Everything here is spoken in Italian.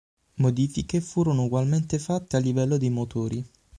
Modifiche furono ugualmente fatte a livello dei motori.